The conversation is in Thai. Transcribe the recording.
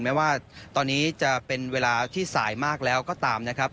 แม้ว่าตอนนี้จะเป็นเวลาที่สายมากแล้วก็ตามนะครับ